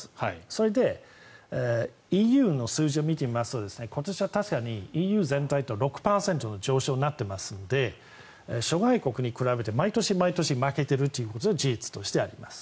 それでＥＵの数字を見てみますと今年は確かにＥＵ全体は６％の上昇になっていますので諸外国に比べて毎年毎年負けているということは事実としてあります。